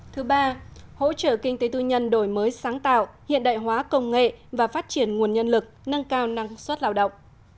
thứ ba hỗ trợ kinh tế tư nhân đổi mới sáng tạo hiện đại hóa công nghệ và phát triển nguồn nhân lực nâng cao năng suất lao động